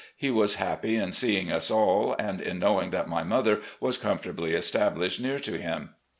He was happy in seeing us all, and in knowing that my mother was comfortably established near to him.